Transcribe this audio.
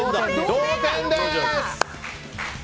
同点です！